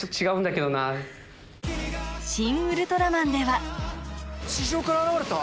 『シン・ウルトラマン』では地上から現れた？